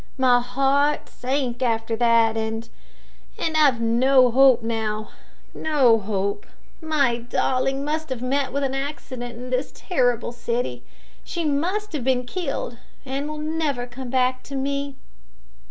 My heart sank after that, and and I've no hope now no hope. My darling must have met with an accident in this terrible city. She must have been killed, and will never come back to me."